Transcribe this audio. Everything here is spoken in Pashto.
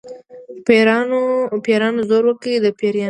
د پیرانو زور و که د پیریانو.